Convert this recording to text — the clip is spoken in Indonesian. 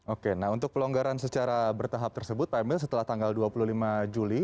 oke nah untuk pelonggaran secara bertahap tersebut pak emil setelah tanggal dua puluh lima juli